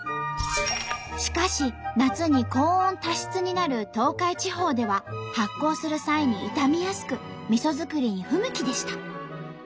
しかし夏に高温多湿になる東海地方では発酵する際に傷みやすくみそ作りに不向きでした。